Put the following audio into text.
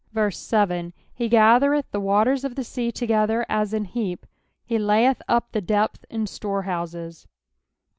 7 He gathereth the waters of the sea together as an heap : he layeth up the depth in storehouses.